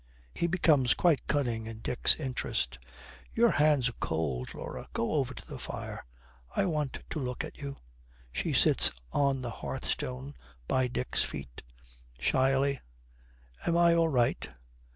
He becomes quite cunning in Dick's interests. 'Your hands are cold, Laura; go over to the fire. I want to look at you.' She sits on the hearthstone by Dick's feet. Shyly, 'Am I all right?'